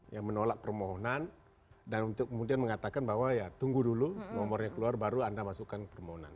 yang menolak permohonan dan untuk kemudian mengatakan bahwa ya tunggu dulu nomornya keluar baru anda masukkan permohonan